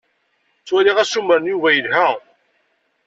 Ttwaliɣ assumer n Yuba yelha.